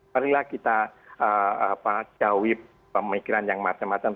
marilah kita jauhi pemikiran yang macam macam